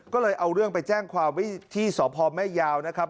ก็เลยเอาเรื่องไปแจ้งความไว้ที่สพแม่ยาวนะครับ